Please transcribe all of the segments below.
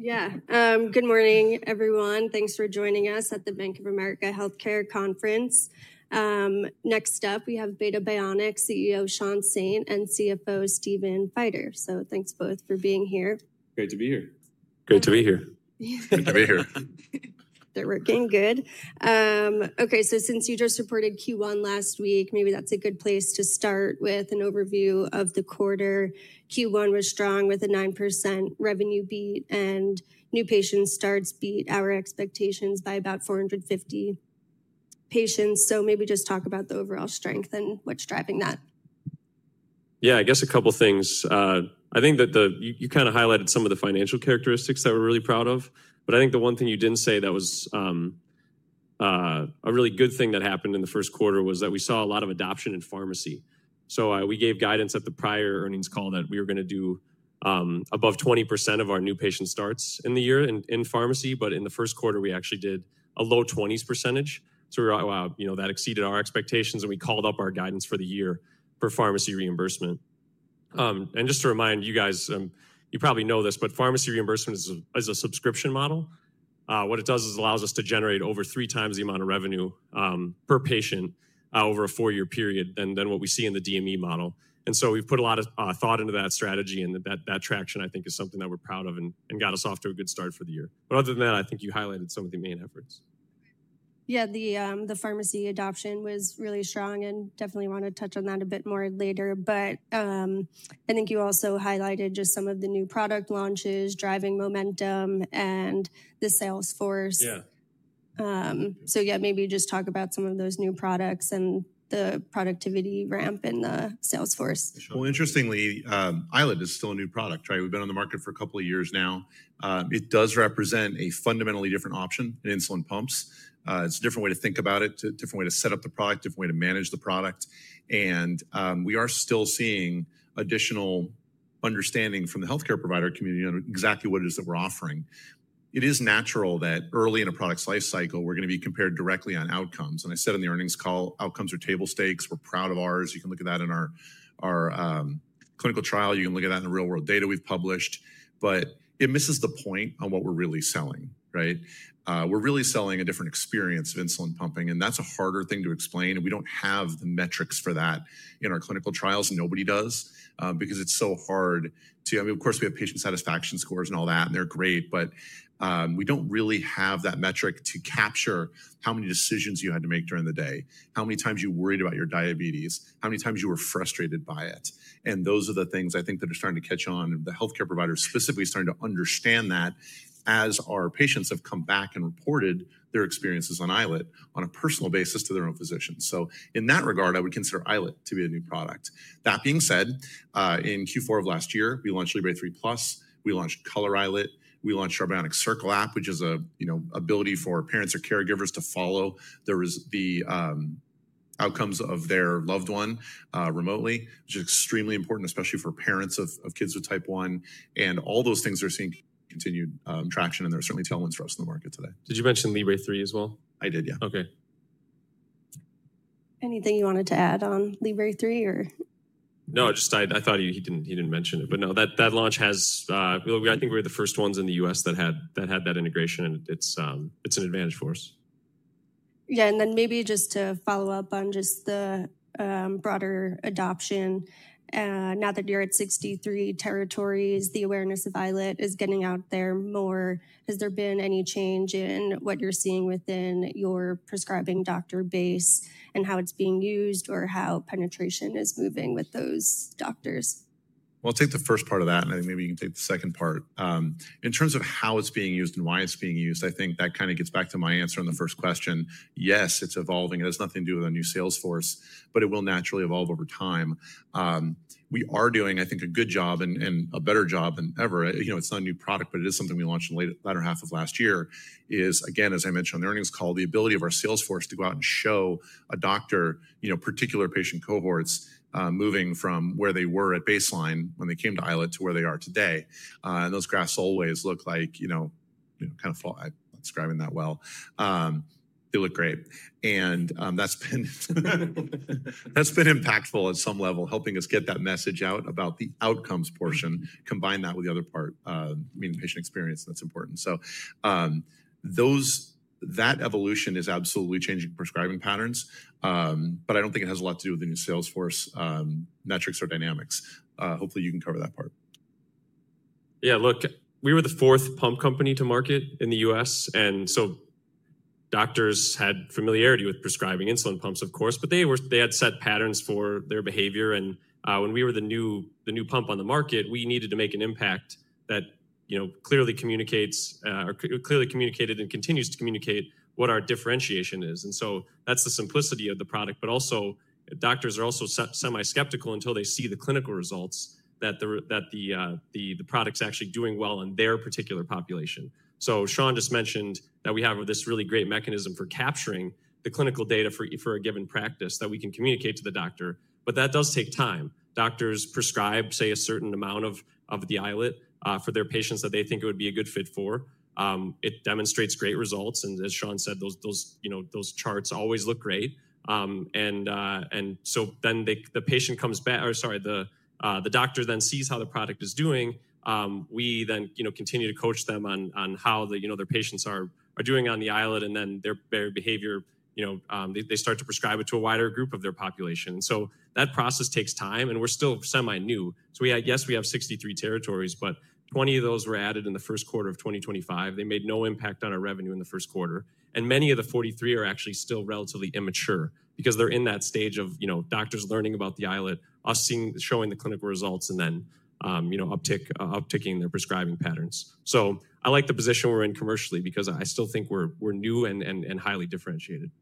Yeah. Good morning, everyone. Thanks for joining us at the Bank of America Healthcare Conference. Next up, we have Beta Bionics CEO Sean Saint and CFO Stephen Feider. So thanks both for being here. Great to be here. Great to be here. Good to be here. They're working good. Okay, so since you just reported Q1 last week, maybe that's a good place to start with an overview of the quarter. Q1 was strong with a 9% revenue beat, and new patient starts beat our expectations by about 450 patients. Maybe just talk about the overall strength and what's driving that. Yeah, I guess a couple of things. I think that you kind of highlighted some of the financial characteristics that we're really proud of. I think the one thing you didn't say that was a really good thing that happened in the first quarter was that we saw a lot of adoption in pharmacy. We gave guidance at the prior earnings call that we were going to do above 20% of our new patient starts in the year in pharmacy. In the first quarter, we actually did a low 20s %. That exceeded our expectations, and we called up our guidance for the year for pharmacy reimbursement. Just to remind you guys, you probably know this, but pharmacy reimbursement is a subscription model. What it does is it allows us to generate over three times the amount of revenue per patient over a four-year period than what we see in the DME model. We have put a lot of thought into that strategy, and that traction, I think, is something that we are proud of and got us off to a good start for the year. Other than that, I think you highlighted some of the main efforts. Yeah, the pharmacy adoption was really strong, and definitely want to touch on that a bit more later. I think you also highlighted just some of the new product launches, driving momentum, and the Salesforce. Yeah. Yeah, maybe just talk about some of those new products and the productivity ramp in the Salesforce. Interestingly, iLet is still a new product, right? We've been on the market for a couple of years now. It does represent a fundamentally different option in insulin pumps. It's a different way to think about it, a different way to set up the product, a different way to manage the product. We are still seeing additional understanding from the healthcare provider community on exactly what it is that we're offering. It is natural that early in a product's life cycle, we're going to be compared directly on outcomes. I said on the earnings call, outcomes are table stakes. We're proud of ours. You can look at that in our clinical trial. You can look at that in the real-world data we've published. It misses the point on what we're really selling, right? We're really selling a different experience of insulin pumping, and that's a harder thing to explain. We don't have the metrics for that in our clinical trials. Nobody does because it's so hard to—I mean, of course, we have patient satisfaction scores and all that, and they're great. We don't really have that metric to capture how many decisions you had to make during the day, how many times you worried about your diabetes, how many times you were frustrated by it. Those are the things I think that are starting to catch on. The healthcare provider is specifically starting to understand that as our patients have come back and reported their experiences on iLet on a personal basis to their own physicians. In that regard, I would consider iLet to be a new product. That being said, in Q4 of last year, we launched Libre 3 Plus. We launched Color iLet. We launched our Bionics Circle app, which is an ability for parents or caregivers to follow the outcomes of their loved one remotely, which is extremely important, especially for parents of kids with type 1. All those things are seeing continued traction, and they're certainly tailwinds for us in the market today. Did you mention Libre 3 as well? I did, yeah. Okay. Anything you wanted to add on Libre 3 or? No, just I thought he didn't mention it. No, that launch has—I think we were the first ones in the U.S. that had that integration, and it's an advantage for us. Yeah, and then maybe just to follow up on just the broader adoption. Now that you're at 63 territories, the awareness of iLet is getting out there more. Has there been any change in what you're seeing within your prescribing doctor base and how it's being used or how penetration is moving with those doctors? I'll take the first part of that, and I think maybe you can take the second part. In terms of how it's being used and why it's being used, I think that kind of gets back to my answer in the first question. Yes, it's evolving. It has nothing to do with a new Salesforce, but it will naturally evolve over time. We are doing, I think, a good job and a better job than ever. It's not a new product, but it is something we launched in the latter half of last year. Again, as I mentioned on the earnings call, the ability of our Salesforce to go out and show a doctor, particular patient cohorts, moving from where they were at baseline when they came to iLet to where they are today. Those graphs always look like—kind of describing that well. They look great. That has been impactful at some level, helping us get that message out about the outcomes portion, combine that with the other part, meaning patient experience, and that is important. That evolution is absolutely changing prescribing patterns, but I do not think it has a lot to do with the new Salesforce metrics or dynamics. Hopefully, you can cover that part. Yeah, look, we were the fourth pump company to market in the U.S. Doctors had familiarity with prescribing insulin pumps, of course, but they had set patterns for their behavior. When we were the new pump on the market, we needed to make an impact that clearly communicates or clearly communicated and continues to communicate what our differentiation is. That is the simplicity of the product. Doctors are also semi-skeptical until they see the clinical results that the product's actually doing well on their particular population. Sean just mentioned that we have this really great mechanism for capturing the clinical data for a given practice that we can communicate to the doctor. That does take time. Doctors prescribe, say, a certain amount of the iLet for their patients that they think it would be a good fit for. It demonstrates great results. As Sean said, those charts always look great. Then the patient comes back—sorry, the doctor then sees how the product is doing. We then continue to coach them on how their patients are doing on the iLet, and then their behavior, they start to prescribe it to a wider group of their population. That process takes time, and we're still semi-new. Yes, we have 63 territories, but 20 of those were added in the first quarter of 2025. They made no impact on our revenue in the first quarter. Many of the 43 are actually still relatively immature because they're in that stage of doctors learning about the iLet, us showing the clinical results, and then upticking their prescribing patterns. I like the position we're in commercially because I still think we're new and highly differentiated.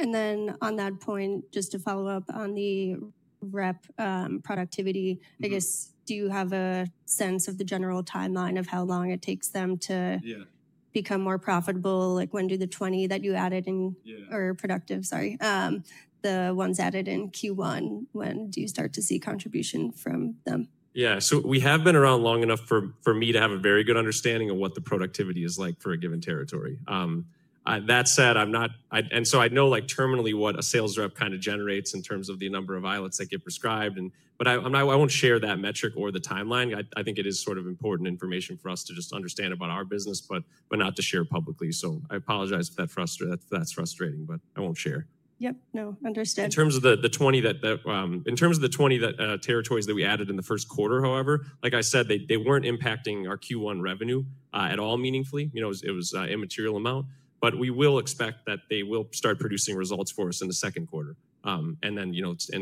On that point, just to follow up on the rep productivity, I guess, do you have a sense of the general timeline of how long it takes them to become more profitable? Like when do the 20 that you added in—or productive, sorry—the ones added in Q1, when do you start to see contribution from them? Yeah, so we have been around long enough for me to have a very good understanding of what the productivity is like for a given territory. That said, I'm not—and so I know terminally what a sales rep kind of generates in terms of the number of iLets that get prescribed. I won't share that metric or the timeline. I think it is sort of important information for us to just understand about our business, but not to share publicly. I apologize if that's frustrating, but I won't share. Yep, no, understood. In terms of the 20 territories that we added in the first quarter, however, like I said, they were not impacting our Q1 revenue at all meaningfully. It was an immaterial amount. We will expect that they will start producing results for us in the second quarter and then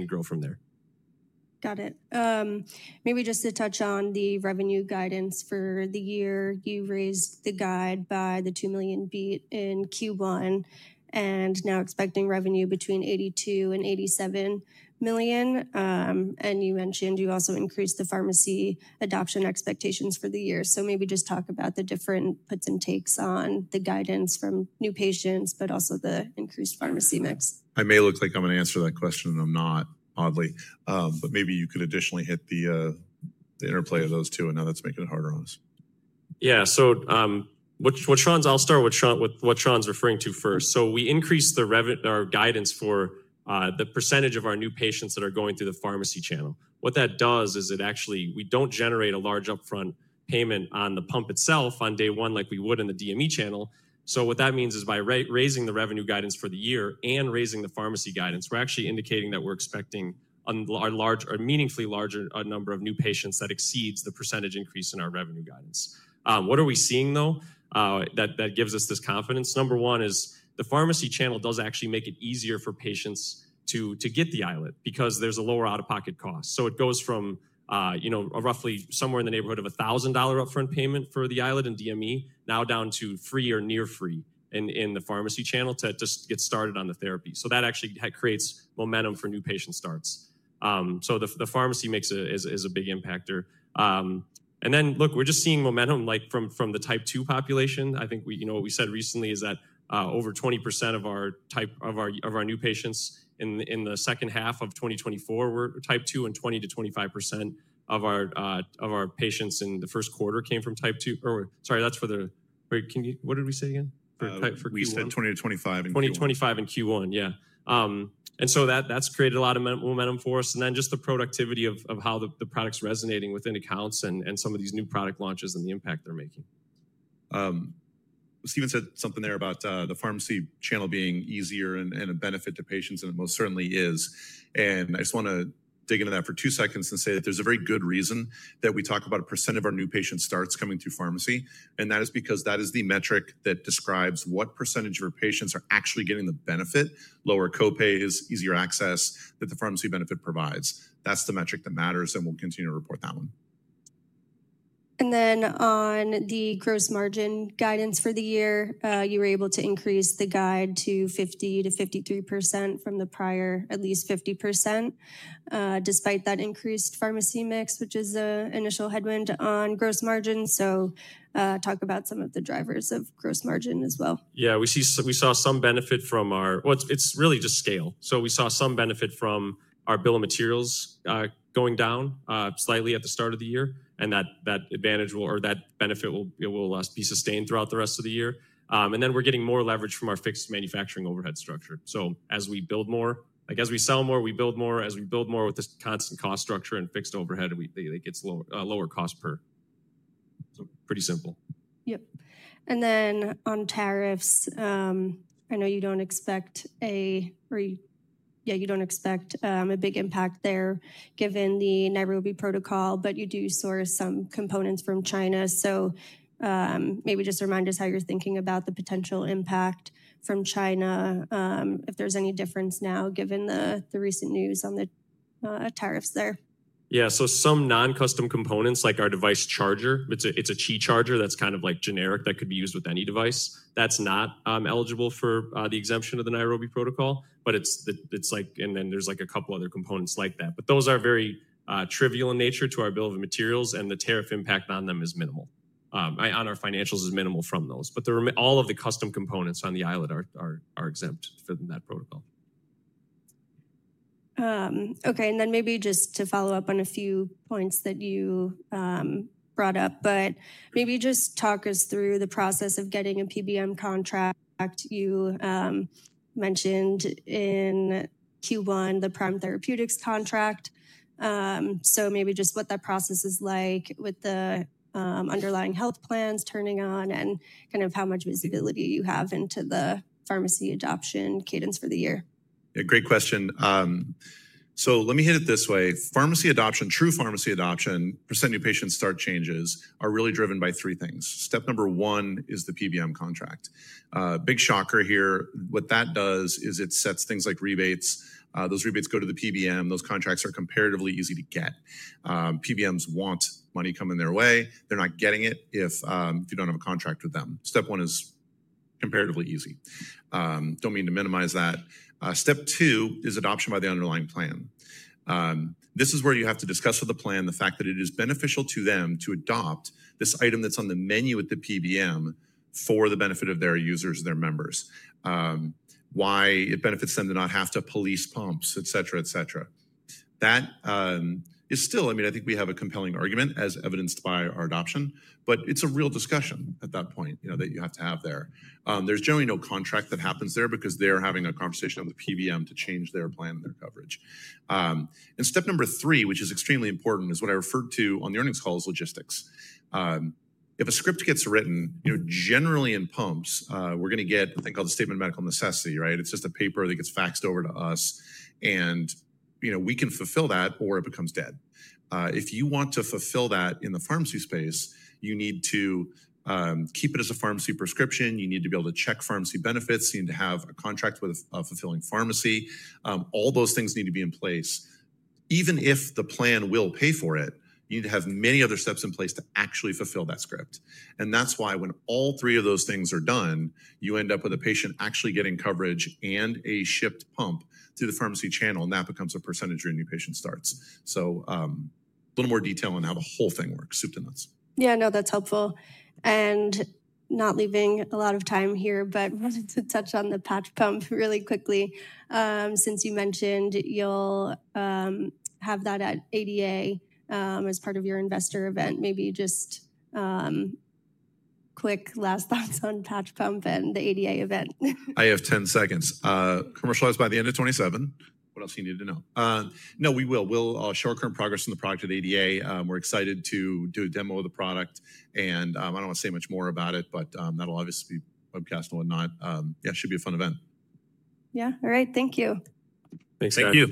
grow from there. Got it. Maybe just to touch on the revenue guidance for the year. You raised the guide by the $2 million beat in Q1 and now expecting revenue between $82 million and $87 million. You mentioned you also increased the pharmacy adoption expectations for the year. Maybe just talk about the different puts and takes on the guidance from new patients, but also the increased pharmacy mix. I may look like I'm going to answer that question, and I'm not, oddly. Maybe you could additionally hit the interplay of those two, and now that's making it harder on us. Yeah, so what Sean's—I'll start with what Sean's referring to first. We increased our guidance for the % of our new patients that are going through the pharmacy channel. What that does is it actually—we don't generate a large upfront payment on the pump itself on day one like we would in the DME channel. What that means is by raising the revenue guidance for the year and raising the pharmacy guidance, we're actually indicating that we're expecting a meaningfully larger number of new patients that exceeds the % increase in our revenue guidance. What are we seeing, though, that gives us this confidence? Number one is the pharmacy channel does actually make it easier for patients to get the iLet because there's a lower out-of-pocket cost. It goes from roughly somewhere in the neighborhood of $1,000 upfront payment for the iLet and DME, now down to free or near free in the pharmacy channel to just get started on the therapy. That actually creates momentum for new patient starts. The pharmacy makes a big impact. And then, look, we're just seeing momentum from the type 2 population. I think what we said recently is that over 20% of our new patients in the second half of 2024 were type 2, and 20-25% of our patients in the first quarter came from type 2. Sorry, that's for the—what did we say again? We said 20-25 in Q1. 20-25 in Q1, yeah. That has created a lot of momentum for us. Just the productivity of how the product's resonating within accounts and some of these new product launches and the impact they're making. Stephen said something there about the pharmacy channel being easier and a benefit to patients, and it most certainly is. I just want to dig into that for two seconds and say that there's a very good reason that we talk about a % of our new patient starts coming through pharmacy. That is because that is the metric that describes what % of our patients are actually getting the benefit: lower copays, easier access that the pharmacy benefit provides. That's the metric that matters, and we'll continue to report that one. On the gross margin guidance for the year, you were able to increase the guide to 50-53% from the prior at least 50%, despite that increased pharmacy mix, which is the initial headwind on gross margin. Talk about some of the drivers of gross margin as well. Yeah, we saw some benefit from our—well, it's really just scale. We saw some benefit from our bill of materials going down slightly at the start of the year, and that advantage or that benefit will be sustained throughout the rest of the year. We are getting more leverage from our fixed manufacturing overhead structure. As we build more, as we sell more, we build more. As we build more with this constant cost structure and fixed overhead, it gets lower cost per. Pretty simple. Yep. And then on tariffs, I know you do not expect a—yeah, you do not expect a big impact there given the Nairobi protocol, but you do source some components from China. So maybe just remind us how you are thinking about the potential impact from China if there is any difference now given the recent news on the tariffs there. Yeah, so some non-custom components like our device charger, it's a Qi charger that's kind of generic that could be used with any device. That's not eligible for the exemption of the Nairobi protocol, but it's like—there's like a couple other components like that. Those are very trivial in nature to our bill of materials, and the tariff impact on them is minimal. On our financials, it's minimal from those. All of the custom components on the iLet are exempt from that protocol. Okay, and then maybe just to follow up on a few points that you brought up, but maybe just talk us through the process of getting a PBM contract. You mentioned in Q1 the Prime Therapeutics contract. So maybe just what that process is like with the underlying health plans turning on and kind of how much visibility you have into the pharmacy adoption cadence for the year. Yeah, great question. Let me hit it this way. Pharmacy adoption, true pharmacy adoption, % new patient start changes are really driven by three things. Step number one is the PBM contract. Big shocker here. What that does is it sets things like rebates. Those rebates go to the PBM. Those contracts are comparatively easy to get. PBMs want money coming their way. They're not getting it if you don't have a contract with them. Step one is comparatively easy. Don't mean to minimize that. Step two is adoption by the underlying plan. This is where you have to discuss with the plan the fact that it is beneficial to them to adopt this item that's on the menu at the PBM for the benefit of their users, their members. Why it benefits them to not have to police pumps, et cetera, et cetera. That is still, I mean, I think we have a compelling argument as evidenced by our adoption, but it's a real discussion at that point that you have to have there. There's generally no contract that happens there because they're having a conversation with the PBM to change their plan and their coverage. Step number three, which is extremely important, is what I referred to on the earnings call as logistics. If a script gets written, generally in pumps, we're going to get a thing called a statement of medical necessity, right? It's just a paper that gets faxed over to us, and we can fulfill that or it becomes dead. If you want to fulfill that in the pharmacy space, you need to keep it as a pharmacy prescription. You need to be able to check pharmacy benefits. You need to have a contract with a fulfilling pharmacy. All those things need to be in place. Even if the plan will pay for it, you need to have many other steps in place to actually fulfill that script. That is why when all three of those things are done, you end up with a patient actually getting coverage and a shipped pump through the pharmacy channel, and that becomes a percentage of your new patient starts. A little more detail on how the whole thing works. Soup to nuts. Yeah, no, that's helpful. Not leaving a lot of time here, but wanted to touch on the patch pump really quickly. Since you mentioned you'll have that at ADA as part of your investor event, maybe just quick last thoughts on patch pump and the ADA event. I have 10 seconds. Commercialized by the end of 2027. What else you need to know? No, we will. We'll show our current progress on the product at ADA. We're excited to do a demo of the product. I don't want to say much more about it, but that'll obviously be webcast and whatnot. Yeah, it should be a fun event. Yeah. All right. Thank you. Thanks a lot. Thank you.